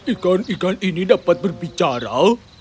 ikan ikan ini dapat berbicara